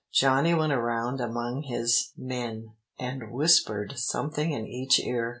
"Johnny went around among his men, and whispered something in each ear.